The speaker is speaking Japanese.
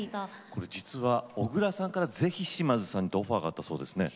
これ実は小椋さんからぜひ島津さんってオファーがあったそうですね。